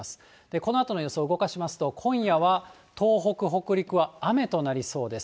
このあとの予想動かしますと、今夜は東北、北陸は雨となりそうです。